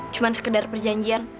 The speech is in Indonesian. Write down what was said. cuma sekedar perjanjian